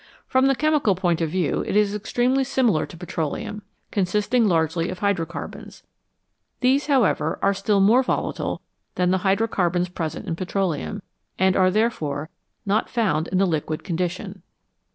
From the chemical point of view, it is extremely similar to petroleum, consisting largely of hydrocarbons ; these, however, are still more volatile than the hydrocarbons present in petroleum, and are therefore not found in the liquid condition.